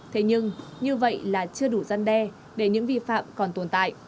thế nhưng như vậy là chưa đủ gian đe để những vi phạm còn tồn tại